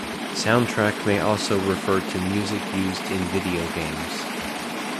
Soundtrack may also refer to music used in video games.